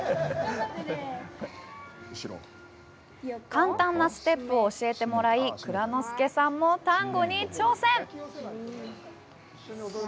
簡単なステップを教えてもらい、蔵之介さんもタンゴに挑戦！